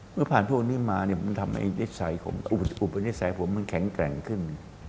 เมื่อผ่านพวกนี้มาผมทำให้อุปนิสัยผมมันแข็งแกร่งขึ้น